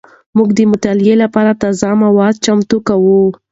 موږ د مطالعې لپاره تازه مواد چمتو کوو.